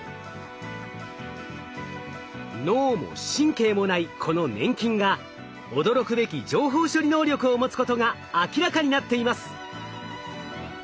脳も神経もないこの粘菌が驚くべき情報処理能力を持つことが明らかになっています。